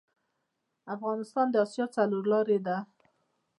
افغانستان د اسیا څلور لارې ده